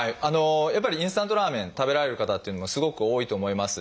やっぱりインスタントラーメン食べられる方っていうのもすごく多いと思います。